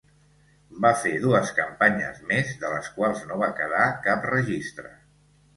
Va fer dues campanyes més de les quals no va quedar cap registre.